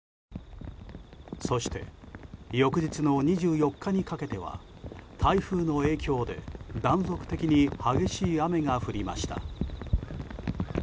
そして、翌日の２４日にかけては台風の影響で断続的に激しい雨が降りました。